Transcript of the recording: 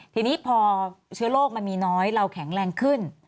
ทีนี้พอเชื้อโรคมันมีน้อยเราแข็งแรงขึ้น